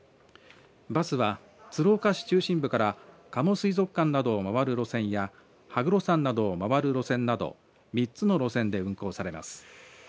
バスは鶴岡市中心部から加茂水族館などをまわる路線や羽黒山などをまわる路線など３つの路線で運行されます。